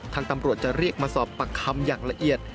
ทางตำรวจจะเรียกมาสอบปากคำอย่างละเอียด